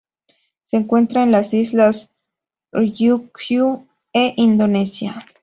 Se encuentran en las Islas Ryukyu e Indonesia.